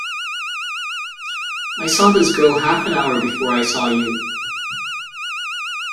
I saw this girl half an hour before I saw you.